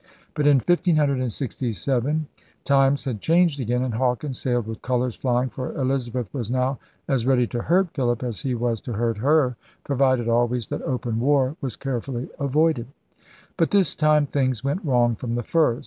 But in 1567 times had changed again, and Hawkins sailed with colors flying, for Elizabeth was now as ready to hurt Philip as he was to hurt her, provided always that open war was carefully avoided. But this time things went wrong from the first.